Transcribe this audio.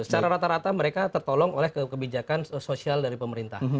secara rata rata mereka tertolong oleh kebijakan sosial dari pemerintah